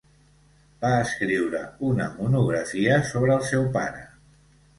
Va escriure una monografia sobre el seu pare.